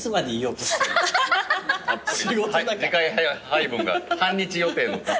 時間配分が半日予定の方。